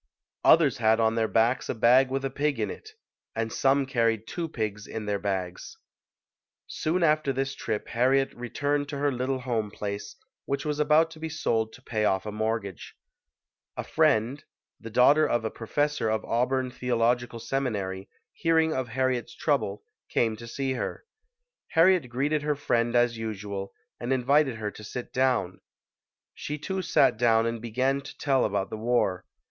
Others had on their backs a bag with a pig in it; and some carried two pigs in their bags. Soon after this trip Harriet returned to her little home place, which was about to be sold to pay off a mortgage. A friend, the daughter of a professor of Auburn Theological Seminary, hearing of Harriet's trouble, came to see her. Harriet greeted her friend as usual and invited her to sit down; she too sat down and began to tell about the war.